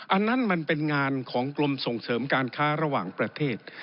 อันนั้นมันเป็นงานของกรมส่งเสริมการค้าระหว่างประเทศ